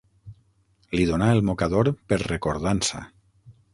Li donà el mocador per recordança.